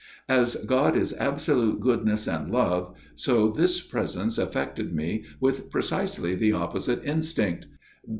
As God is absolute goodness and Love, so this presence affected me with precisely the opposite instinct.